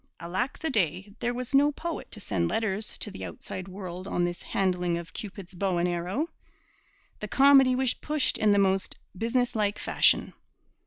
Alack the day, there was no poet to send letters to the outside world on this handling of Cupid's bow and arrow! The comedy was pushed in the most business like fashion.